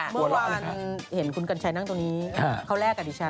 เมื่อวานเห็นคุณกัญชัยนั่งตรงนี้เขาแลกกับดิฉัน